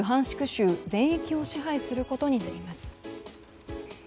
州全域を支配することになります。